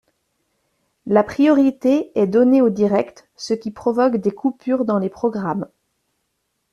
La priorité est donnée au direct, ce qui provoque des coupures dans les programmes.